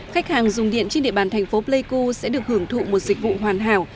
khách hàng dùng điện trên địa bàn thành phố pleiku sẽ được hưởng thụ một dịch vụ hoàn hảo